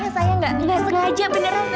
saya enggak suka aja beneran